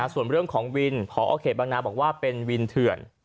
ส่วนเรื่องของวินพอเขตบางนาบอกว่าเป็นวินเถื่อน